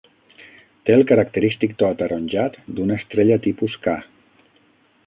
Té el característic to ataronjat d'una estrella tipus K.